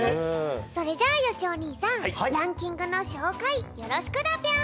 それじゃよしお兄さんランキングのしょうかいよろしくだぴょん。